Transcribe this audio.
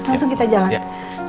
langsung kita jalan